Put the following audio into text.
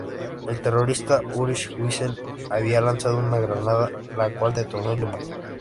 El terrorista Ulrich Wessel había lanzado una granada, la cual detonó y lo mató.